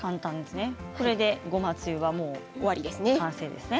これでごまつゆは完成ですね。